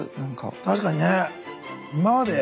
確かにね。